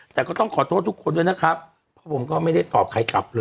แต่ก็ต้องขอโทษทุกคนด้วยนะครับเพราะผมก็ไม่ได้ตอบใครกลับเลย